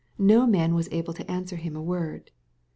"No man was able to answer him a word."